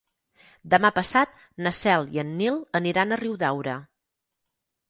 Demà passat na Cel i en Nil aniran a Riudaura.